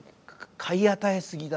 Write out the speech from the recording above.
買い与え過ぎだ。